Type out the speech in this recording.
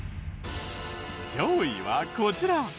上位はこちら。